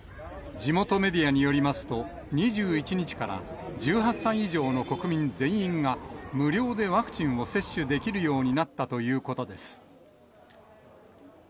地元メディアによりますと、２１日から１８歳以上の国民全員が、無料でワクチンを接種できるようになったということです。